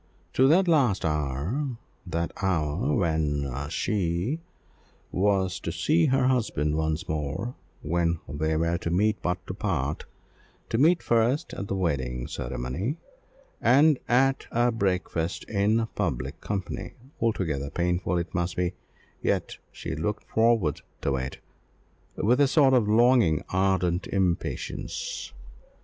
To that last hour that hour when she was to see her husband once more, when they were to meet but to part, to meet first at the wedding ceremony, and at a breakfast in a public company, altogether painful as it must be, yet she looked forward to it with a sort of longing ardent impatience.